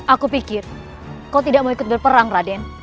aku pikir kau tidak mau ikut berperang raden